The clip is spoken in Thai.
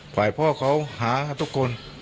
ไขว้พ่อเขาหาทุกคน